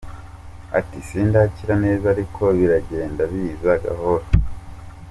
Ati “Sindakira neza ariko biragenda biza gahoro.